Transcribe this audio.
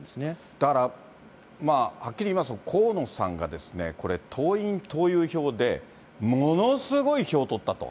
だから、はっきりいいますと河野さんがですね、これ、党員・党友票でものすごい票取ったと。